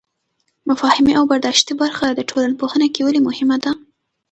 مفاهیمي او برداشتي برخه د ټولنپوهنه کې ولې مهمه ده؟